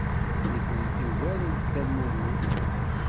Nitenti ugarent Dda Lmulud.